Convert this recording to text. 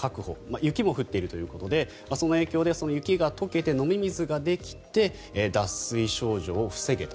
雪も降っているということでその影響で雪が解けて飲み水ができて脱水症状を防げたと。